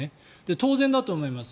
当然だと思います。